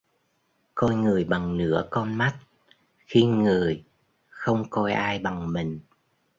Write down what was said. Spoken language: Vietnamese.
Coi người bằng nửa con mắt: khinh người, không coi ai bằng mình